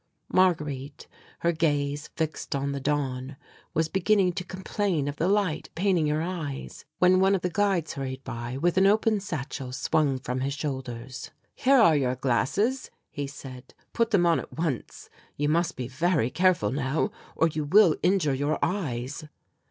Marguerite, her gaze fixed on the dawn, was beginning to complain of the light paining her eyes, when one of the guides hurried by with an open satchel swung from his shoulders. "Here are your glasses," he said; "put them on at once. You must be very careful now, or you will injure your eyes."